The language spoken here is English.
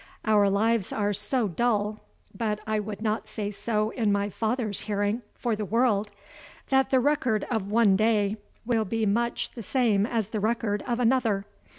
Our lives are so dull (but I would not say so in my father's hearing for the world) that the record of one day will be much the same as the record of another.